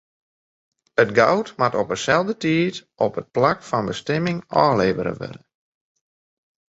It guod moat op 'e stelde tiid op it plak fan bestimming ôflevere wurde.